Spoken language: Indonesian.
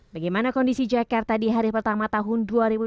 bagaimana kondisi jakarta di hari pertama tahun dua ribu dua puluh